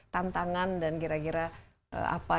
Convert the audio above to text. tantangan dan kira kira apa